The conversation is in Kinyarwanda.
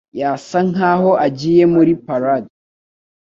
Yasa nkaho agiye muri parade.